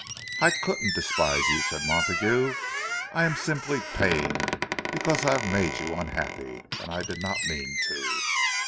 "I couldn't despise you," said Montague. "I am simply pained, because I have made you unhappy. And I did not mean to."